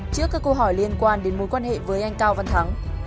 trước các câu hỏi liên quan đến mối quan hệ với anh cao văn thắng